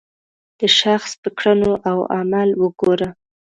د شخص په کړنو او عمل وګوره.